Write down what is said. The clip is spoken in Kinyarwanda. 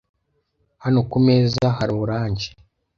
Hano kumeza hari orange.